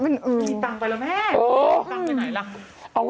มันมีตังค์ไปแล้วแม่เอาตังค์ไปไหนล่ะ